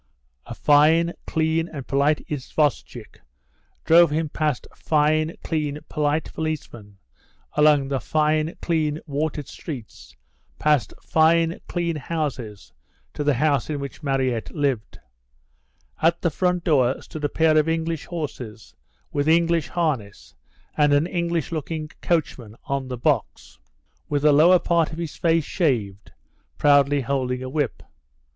A fine, clean, and polite isvostchik drove him past fine, clean, polite policemen, along the fine, clean, watered streets, past fine, clean houses to the house in which Mariette lived. At the front door stood a pair of English horses, with English harness, and an English looking coachman on the box, with the lower part of his face shaved, proudly holding a whip.